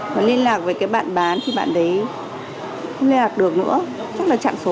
và liên lạc với cái bạn bán thì bạn đấy không liên lạc được nữa chắc là chạm số